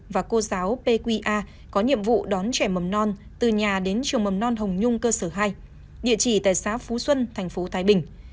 v a có nhiệm vụ đón trẻ mầm non từ nhà đến trường mầm non hồng nhung cơ sở hai địa chỉ tài xá phú xuân thành phố thái bình